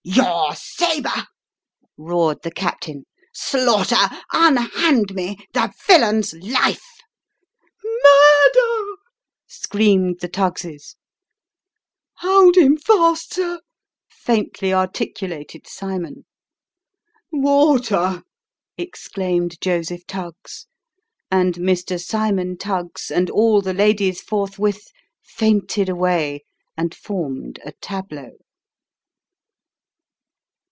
A Frightful Tableau. 267 " Your sabre !" roared the captain :" Slaughter unhand me the villain's life !"" Murder !" screamed the Tuggs's. " Hold him fast, sir !" faintly articulated Cyraon. " Water !" exclaimed Joseph Tuggs and Mr. Cymon Tuggs and all the ladies forthwith fainted away, and formed a tableau.